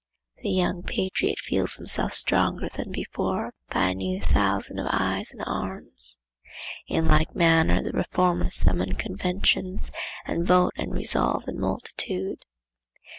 the young patriot feels himself stronger than before by a new thousand of eyes and arms. In like manner the reformers summon conventions and vote and resolve in multitude.